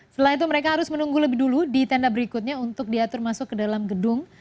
setelah itu mereka harus menunggu lebih dulu di tenda berikutnya untuk diatur masuk ke dalam gedung